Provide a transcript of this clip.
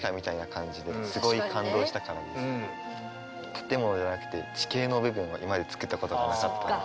建物じゃなくて地形の部分は今まで作ったことがなかったので。